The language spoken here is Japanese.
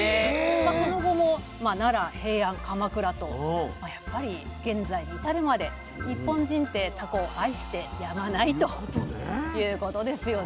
その後も奈良平安鎌倉とやっぱり現在に至るまで日本人ってタコを愛してやまないということですよね。